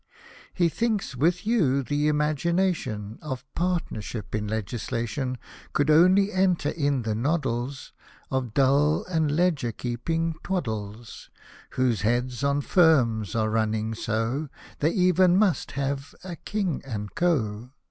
He thinks with you, th' imagination Oi partnership in legislation Could only enter in the noddles Of dull and ledger keeping twaddles, Whose heads on firms are running so. They ev'n must have a King and Co.